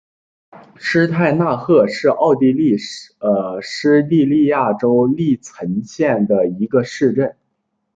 施泰纳赫是奥地利施蒂利亚州利岑县的一个市镇。